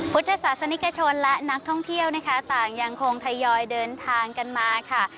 พุทธศาสนิกชนและนักท่องเที่ยวนะคะต่างยังคงทยอยเดินทางกันมาค่ะ